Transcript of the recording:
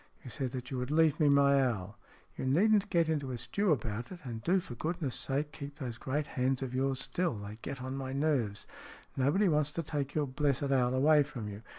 You said that you would leave me my owl." " You needn't get into a stew about it, and do for goodness' sake keep those great hands of yours still. They get on my nerves. Nobody wants to take your blessed owl away from you.